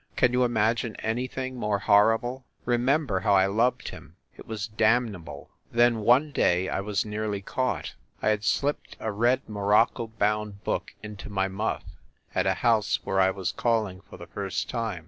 Can you imagine anything more horrible? Remember how I loved him. It was damnable. ... Then, one day, I was nearly caught. I had slipped a red morocco bound book into my muff, at a house where I was calling for the first time.